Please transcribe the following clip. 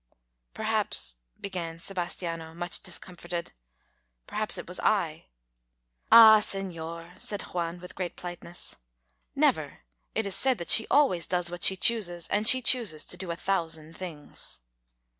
"Perhaps," began Sebastiano, much discomforted "perhaps it was I " "Ah, senor," said Juan, with great politeness, "never. It is said that she always does what she chooses, and she chooses to do a thousand things."